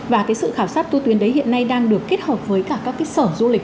và sự khảo sát tu tuyến đấy hiện nay đang được kết hợp với cả các sở du lịch